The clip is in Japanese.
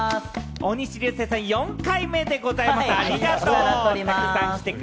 大西流星さん、４回目でございます、ありがとう。